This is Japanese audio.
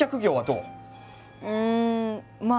うんまあ